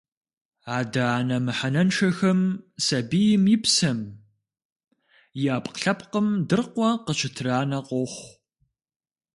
Адэ-анэ мыхьэнэншэхэм сабийм и псэм, и ӏэпкълъэпкъым дыркъуэ къыщытранэ къохъу.